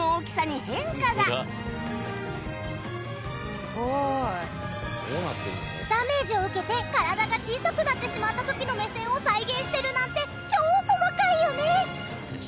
「すごい」ダメージを受けて体が小さくなってしまった時の目線を再現してるなんて超細かいよね！